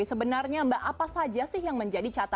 jadi sebenarnya mbak apa saja sih yang menjadi catatan